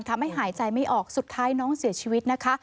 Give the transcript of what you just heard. หายใจไม่ออกสุดท้ายน้องเสียชีวิตนะคะ